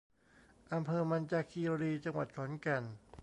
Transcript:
อำเภอมัญจาคีรี จังหวัดขอนแก่น